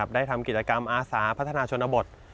ได้ทำกิจกรรมอาสาพัฒนาชนบท